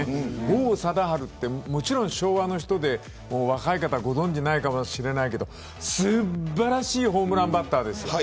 王貞治はもちろん昭和の人で若い方ご存じないかもしれないけど素晴らしいホームランバッターです。